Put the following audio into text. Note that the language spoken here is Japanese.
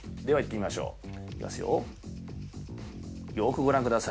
では、いってみましょう。